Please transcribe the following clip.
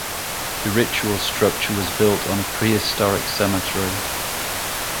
The ritual structure was built on a prehistoric cemetery.